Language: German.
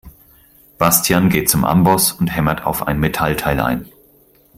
Bastian geht zum Amboss und hämmert auf ein Metallteil ein.